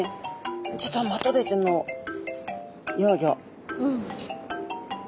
実はマトウダイちゃんの幼魚。